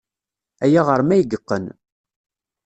Aya ɣer-m ay yeqqen.